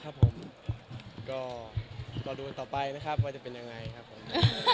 ครับผมก็รอดูกันต่อไปนะครับว่าจะเป็นยังไงครับผม